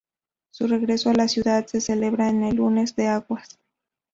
Su regreso a la ciudad se celebra en el Lunes de aguas.